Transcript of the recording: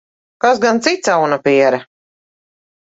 Kas gan cits, aunapiere?